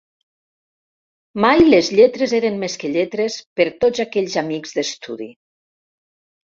Mai les lletres eren més que lletres per tots aquells amics d'estudi